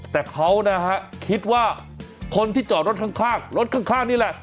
แต่เขานะฮะคิดว่าคนที่จอดรถข้างรถข้างนี่แหละ